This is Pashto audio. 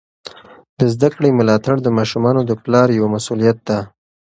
د زده کړې ملاتړ د ماشومانو د پلار یوه مسؤلیت ده.